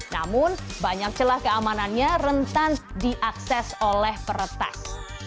namun banyak celah keamanannya rentan diakses oleh peretas